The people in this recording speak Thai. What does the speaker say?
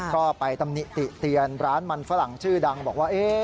ก็ไปตำหนิติเตียนร้านมันฝรั่งชื่อดังบอกว่า